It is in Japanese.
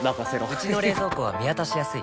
うちの冷蔵庫は見渡しやすい